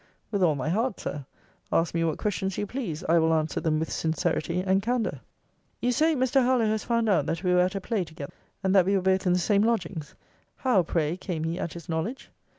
With all my heart, Sir. Ask me what questions you please, I will answer them with sincerity and candour. You say, Mr. Harlowe has found out that we were at a play together: and that we were both in the same lodgings How, pray, came he at his knowledge?